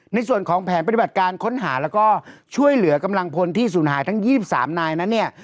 ในส่วนของแผนปฏิบัติการค้นหาแล้วก็ช่วยเหลือกำลังพลที่สูญหายทั้ง๒๓นายนั้นเนี่ย